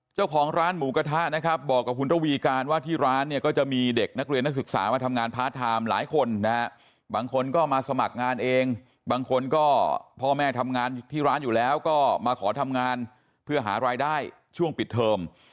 เจ้าของร้านหมูกระทะนะครับบอกกับคุณระวีการว่าที่ร้านเนี่ยก็จะมีเด็กนักเรียนนักศึกษามาทำงานพาร์ทไทม์หลายคนนะฮะบางคนก็มาสมัครงานเองบางคนก็พ่อแม่ทำงานที่ร้านอยู่แล้วก็มาขอทำงานเพื่อหารายได้ช่วงปิดเทอม